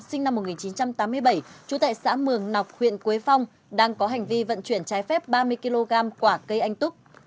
sinh năm một nghìn chín trăm tám mươi bảy trú tại xã mường nọc huyện quế phong đang có hành vi vận chuyển trái phép ba mươi kg quả cây anh túc